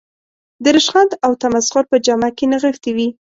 د رشخند او تمسخر په جامه کې نغښتې وي.